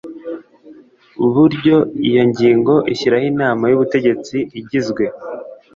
Buryo iyo ngingo ishyiraho inama y ubutegetsi igizwe